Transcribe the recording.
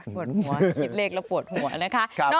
เบื่อหัวคิดเลขแล้วเบื่อหัวของเรานะคะ